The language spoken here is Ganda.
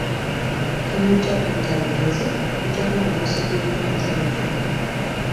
Temujja kuyita bigezo, okuggyako nga musomye nnyo ebitabo byammwe.